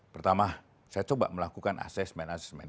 pertama saya coba melakukan asesmen asesmen